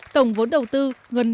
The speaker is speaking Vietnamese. tổng vốn đầu tư gần bốn năm triệu đồng